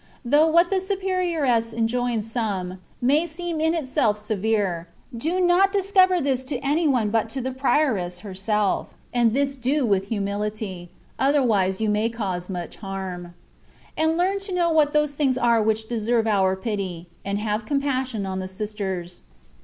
Though what the superioress enjoins some, may seem in itself severe, do not discover this to any one but to the prioress herself, and this do with humility, otherwise you may cause much harm. And learn to know what those things are which deserve our pity, and have compassion on the sisters.